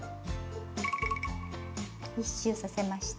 １周させました。